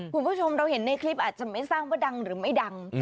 คุณผู้ชมเราเห็นในคลิปอาจจะไม่ทราบว่าดังหรือไม่ดัง